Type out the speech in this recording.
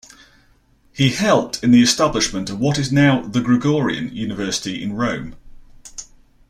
He helped in the establishment of what is now the Gregorian University in Rome.